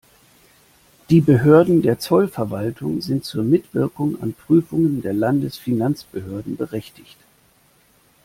Die Behörden der Zollverwaltung sind zur Mitwirkung an Prüfungen der Landesfinanzbehörden berechtigt.